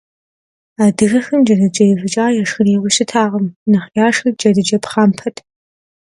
Адыгэхэм джэдыкӏэ ивыкӏар яшхырейуэ щытакъым, нэхъ яшхыр джэдыкӏэ пхъампэт.